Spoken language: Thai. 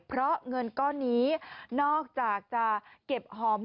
เพราะเงินก้อนนี้นอกจากจะเก็บหอม